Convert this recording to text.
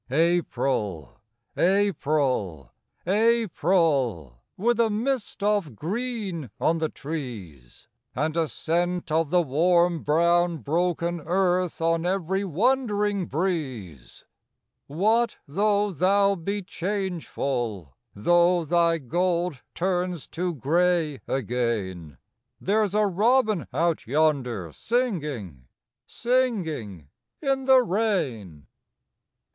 APRIL April! April! April! With a mist of green on the trees And a scent of the warm brown broken earth On every wandering breeze; What, though thou be changeful, Though thy gold turns to grey again, There's a robin out yonder singing, Singing in the rain.